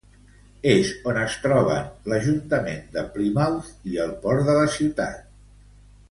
És on es troben l'ajuntament de Plymouth i el port de la ciutat.